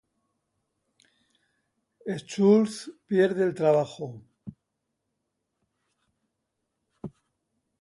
Schulz pierde el trabajo.